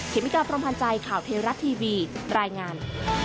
เมกาพรมพันธ์ใจข่าวเทราะทีวีรายงาน